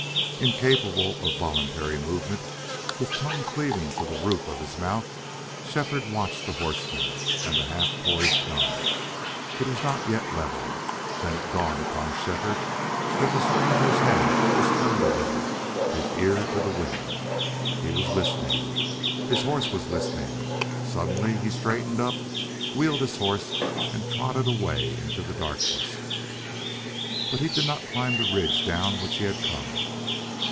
Incapable of voluntary movement, with tongue cleaving to the roof of his mouth, Shefford watched the horseman and the half poised gun. It was not yet leveled. Then it dawned upon Shefford that the stranger's head was turned a little, his ear to the wind. He was listening. His horse was listening. Suddenly he straightened up, wheeled his horse, and trotted away into the darkness. But he did not climb the ridge down which he had come.